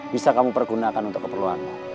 bisa kamu pergunakan untuk keperluanmu